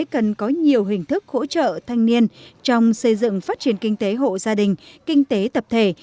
cần có nhiều hình thức hỗ trợ thanh niên trong xây dựng phát triển kinh tế hộ gia đình kinh tế tập thể